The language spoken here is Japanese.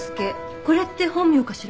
これって本名かしら？